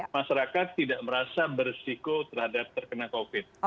masyarakat tidak merasa bersiko terhadap terkena covid